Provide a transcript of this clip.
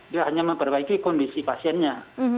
dia hanya memperbaiki kondisi pasiennya